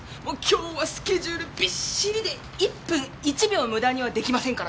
今日はスケジュールびっしりで１分１秒無駄にはできませんからね！